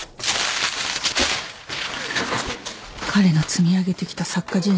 彼の積み上げてきた作家